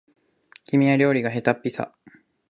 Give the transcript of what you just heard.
君は料理がへたっぴさ